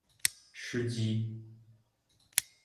吃鸡